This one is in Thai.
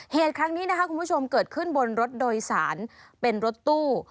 เหตุครั้งนี้นะคะคุณผู้ชมเกิดขึ้นบนรถโดยสารเป็นรถตู้